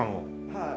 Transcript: はい。